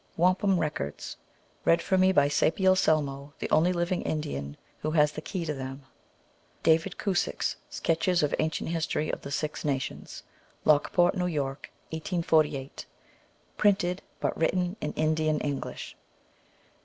Wampum Records. Read for me by Sapiel Selmo, the only liv ing Indian who has the key to them. David Cusick s Sketches of Ancient History of the Six Nations. Lockport, N. Y., 1848. Printed, but written in Indian English.